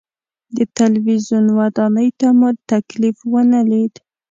د تلویزیون ودانۍ ته مو تکلیف ونه لید.